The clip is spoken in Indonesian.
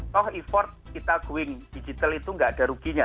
toh effort kita going digital itu nggak ada ruginya